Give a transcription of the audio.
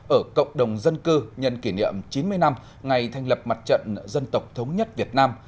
ở cộng đồng dân cư nhân kỷ niệm chín mươi năm ngày thành lập mặt trận dân tộc thống nhất việt nam